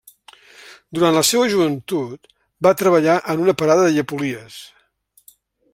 Durant la seua joventut va treballar en una parada de llepolies.